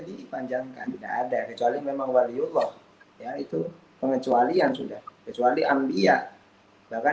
dipanjangkan tidak ada kecuali memang waliullah yaitu pengecualian sudah kecuali ambia bahkan